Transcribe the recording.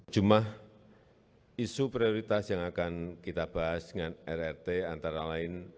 cuma isu prioritas yang akan kita bahas dengan rrt antara lain